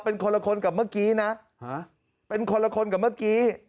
เป็นคนละคนกับเมื่อกี้นะเป็นคนละคนกับเมื่อกี้